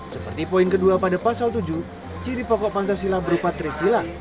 seperti poin kedua pada pasal tujuh ciri pokok pancasila berupa trisila